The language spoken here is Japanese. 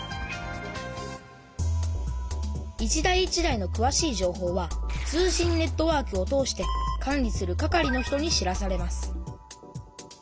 一台一台のくわしいじょうほうは通信ネットワークを通して管理する係の人に知らされます